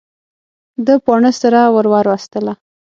ده باڼه سره ور وستله.